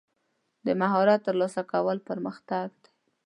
د مهارت ترلاسه کول پرمختګ دی.